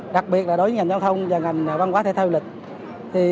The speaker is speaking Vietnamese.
đặc biệt là đối với ngành giao thông và ngành văn hóa thể thao du lịch